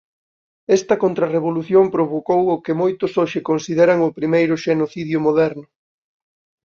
Esta contrarrevolución provocou o que moitos hoxe consideran o primeiro xenocidio moderno.